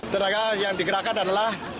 ternaga yang digerakkan adalah